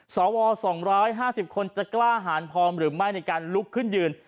สว๒๕๐คนจะกล้าหารพร้อมหรือไม่ในการลุกขึ้นยืน